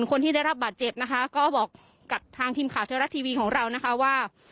คนที่ได้รับบาดเจ็บนะคะก็บอกกับทางทีมข่าวเทวรัฐทีวีของเรานะคะว่า